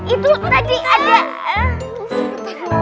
itu tadi ada